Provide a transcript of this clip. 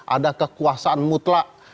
ada kekuasaan mutlak